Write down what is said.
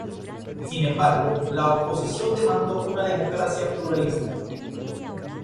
Sin embargo, la oposición demandó una democracia pluralista.